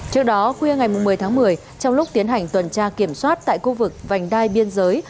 trước đó khuya ngày một mươi tháng một mươi trong lúc tiến hành tuần tra kiểm soát tại khu vực vành đai biên giới